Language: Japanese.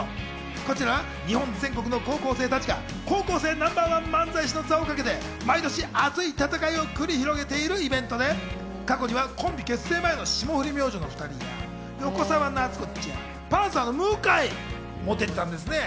こちらは日本全国の高校生たちが高校生ナンバーワン漫才師の座をかけて毎年、熱い戦いを繰り広げているイベントで過去にはコンビ結成前の霜降り明星のお２人や横澤夏子ちゃん、パンサーの向井も出ていたんですね。